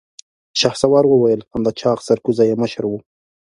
شهسوار وويل: همدا چاغ سرکوزی يې مشر و.